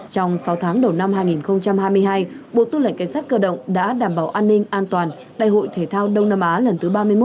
trong sáu tháng đầu năm hai nghìn hai mươi hai bộ tư lệnh cảnh sát cơ động đã đảm bảo an ninh an toàn đại hội thể thao đông nam á lần thứ ba mươi một